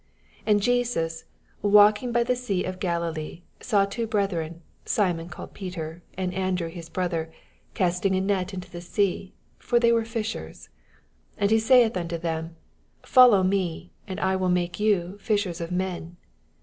• 18 And Jesus, walking by the sea of Galilee, saw two brethren, Simon called Peter, and Andrew his brother, casting a net into the sea : for they were fishers. 19 And he sfdth unto them. Follow me, and I wiU make yon fishers of men.